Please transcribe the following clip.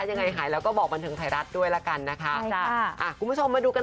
ยังไงแล้วก็บอกบันเทิงไทรัศน์ด้วยละกันนะคะ